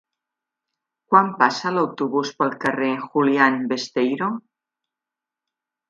Quan passa l'autobús pel carrer Julián Besteiro?